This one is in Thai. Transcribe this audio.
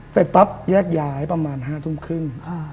เสร็จปั๊บแยกย้ายประมาณ๕ทุ่มครึ่ง